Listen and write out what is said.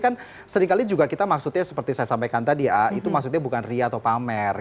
kan seringkali juga kita maksudnya seperti saya sampaikan tadi ya itu maksudnya bukan ria atau pamer